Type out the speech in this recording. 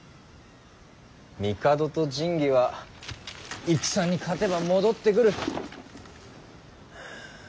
帝と神器は戦に勝てば戻ってくる。